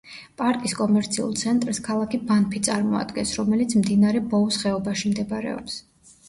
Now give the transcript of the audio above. პარკის კომერციულ ცენტრს ქალაქი ბანფი წარმოადგენს, რომელიც მდინარე ბოუს ხეობაში მდებარეობს.